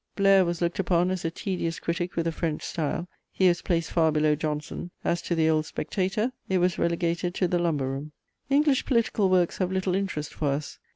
Blair was looked upon as a tedious critic with a French style; he was placed far below Johnson. As to the old Spectator, it was relegated to the lumber room. English political works have little interest for us.